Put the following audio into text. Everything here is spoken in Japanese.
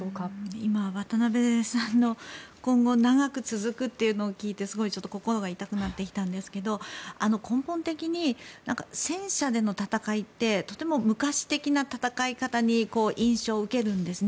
今、渡部さんの今後長く続くっていうのを聞いてすごい心が痛くなってきたんですが根本的に戦車での戦いってとても昔的な戦い方のように印象を受けるんですね。